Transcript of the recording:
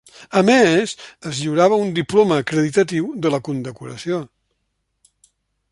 A més, es lliurava un diploma acreditatiu de la condecoració.